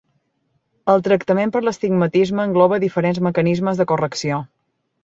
El tractament per l'astigmatisme engloba diferents mecanismes de correcció.